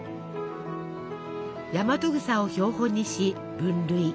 ヤマトグサを標本にし分類。